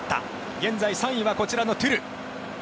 現在、３位はこちらのトゥル。